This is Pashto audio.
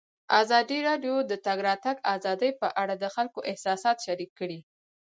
ازادي راډیو د د تګ راتګ ازادي په اړه د خلکو احساسات شریک کړي.